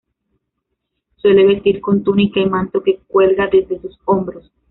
Suele vestir con túnica y manto que cuelga desde sus hombros.